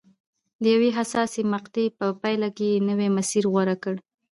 د یوې حساسې مقطعې په پایله کې یې نوی مسیر غوره کړ.